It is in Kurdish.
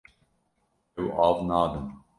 Ew av nadin.